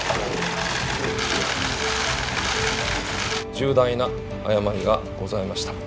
重大な誤りがございました。